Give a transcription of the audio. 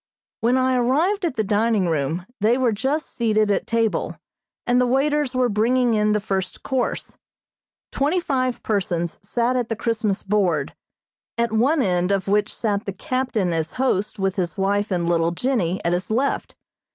When I arrived at the dining room they were just seated at table, and the waiters were bringing in the first course. Twenty five persons sat at the Christmas board, at one end of which sat the captain as host with his wife and little Jennie at his left.